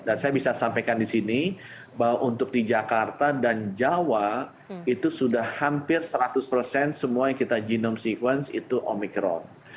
saya bisa sampaikan di sini bahwa untuk di jakarta dan jawa itu sudah hampir seratus persen semua yang kita genome sequence itu omikron